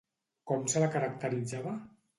Com se la caracteritzava?